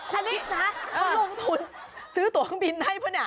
ลงทุนซื้อตัวข้างบินได้ปะเนี่ย